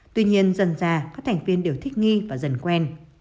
tuy nhiên dần ra các thành viên đều thích nghi và dần quen